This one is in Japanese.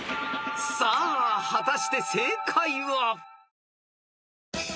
［さあ果たして正解は］